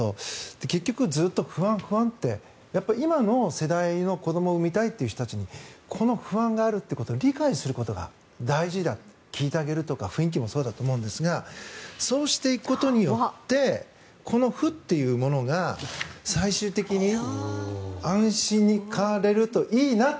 結局ずっと不安、不安って今の世代の子どもを産みたいという人たちにこの不安があるということを理解することが大事聞いてあげるとか雰囲気もそうだと思いますがそうしていくことによってこの「不」というものが最終的に「安心」に変われるといいなって。